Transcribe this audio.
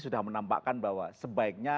sudah menambahkan bahwa sebaiknya